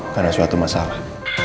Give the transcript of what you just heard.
karena suatu masalah